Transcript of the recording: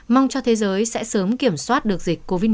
mong cho thế giới sẽ sớm kiểm soát được dịch covid một mươi chín